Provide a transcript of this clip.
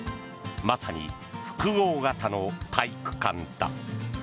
まさに複合型の体育館だ。